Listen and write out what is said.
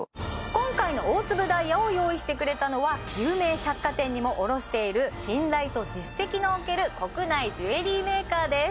今回の大粒ダイヤを用意してくれたのは有名百貨店にも卸している信頼と実績のおける国内ジュエリーメーカーです